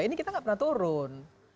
ini kita nggak pernah turun